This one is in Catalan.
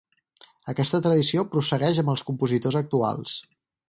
Aquesta tradició prossegueix amb els compositors actuals.